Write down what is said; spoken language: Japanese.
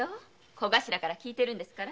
小頭から聞いてますから。